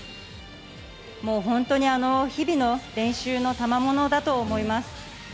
本当に日々の練習のたまものだと思います。